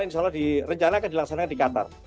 insya allah direncana akan dilaksanakan di qatar